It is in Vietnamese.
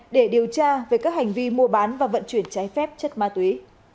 để điều tra về các hành vi mua bán và vận chuyển trái phép chất ma túy